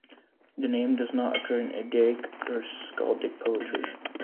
The name does not occur in Eddaic or skaldic poetry.